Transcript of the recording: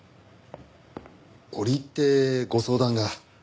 折り入ってご相談が。